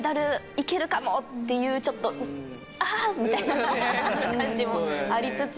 っていうちょっと「あ！」みたいな感じもありつつ。